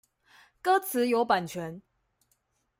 歌詞有版權